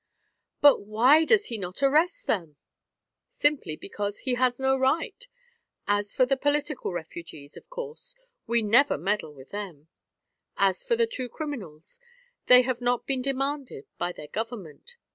"But why does he not arrest them?' "Simply because he has no right. As for the political refugees, of course, we never meddle with them; as for the two criminals, they have not been demanded by their Government.